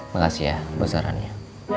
makasih ya bos aranya